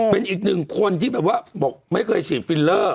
เป็นอีกหนึ่งคนที่แบบว่าบอกไม่เคยฉีดฟิลเลอร์